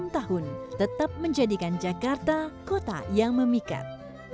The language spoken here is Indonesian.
empat ratus sembilan puluh enam tahun tetap menjadikan jakarta kota yang memikat